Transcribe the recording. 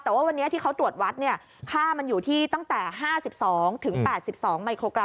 แต่ว่าวันนี้ที่เขาตรวจวัดค่ามันอยู่ที่ตั้งแต่๕๒๘๒มิโครกรั